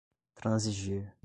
transigir